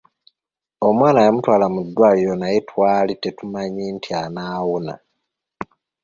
Omwana yamutwala mu ddwaliro naye twali tetumanyi nti anaawona.